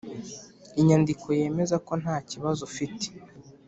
Inyandiko yemeza ko nta kibazo ufite